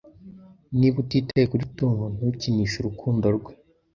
Niba utitaye kuri Tom, ntukinishe urukundo rwe.